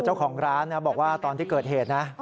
เจ้าของร้านบอกว่าตอนที่เกิดเหตุนะ